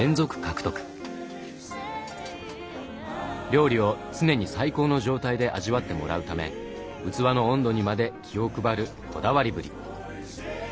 料理を常に最高の状態で味わってもらうため器の温度にまで気を配るこだわりぶり。